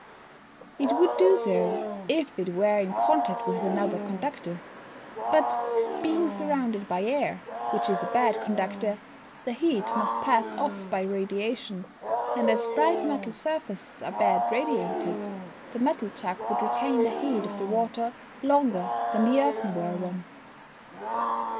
_ It would do so, if it were in contact with another conductor; but, being surrounded by air, which is a bad conductor, the heat must pass off by radiation, and as bright metal surfaces are bad radiators, the metal jug would retain the heat of the water longer than the earthenware one.